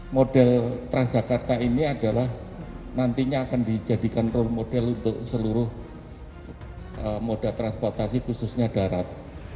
model transjakarta ini adalah nantinya akan dijadikan role model untuk seluruh moda transportasi khususnya darat